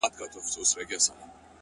چي لــه ژړا سره خبـري كوم’